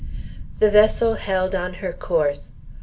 The vessel held on her course.